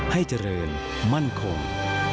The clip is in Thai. ให้เจริญมั่นคง